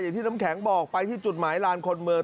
อย่างที่น้ำแข็งบอกไปที่จุดหมายลานคลมเมิก